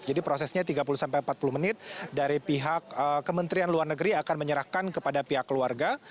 jadi prosesnya tiga puluh sampai empat puluh menit dari pihak kementerian luar negeri akan menyerahkan kepada pihak keluarga